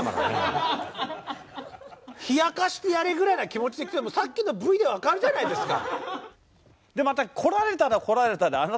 冷やかしてやれぐらいな気持ちで来てさっきのＶで分かるじゃないですか。